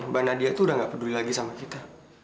mbak nadia tuh udah nggak peduli lagi sama kita